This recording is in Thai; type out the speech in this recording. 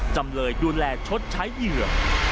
จำเลยดูแลชดใช้เหยื่อ